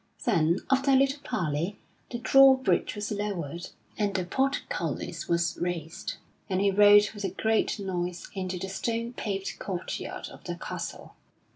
Then, after a little parley, the drawbridge was lowered, and the portcullis was raised, and he rode with a great noise into the stone paved courtyard of the castle.